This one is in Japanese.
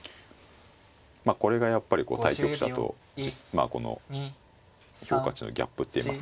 まあこれがやっぱり対局者とまあこの評価値のギャップっていいますかね。